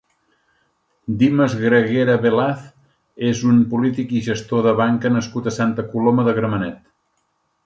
Dimas Gragera Velaz és un polític i gestor de banca nascut a Santa Coloma de Gramenet.